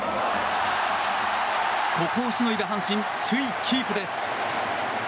ここをしのいだ阪神首位キープです。